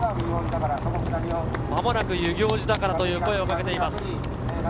「間もなく遊行寺だから」という声をかけています。